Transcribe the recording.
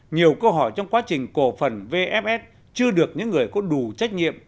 nhiều câu hỏi trong quá trình cổ phần vfs chưa được những người có đủ trách nhiệm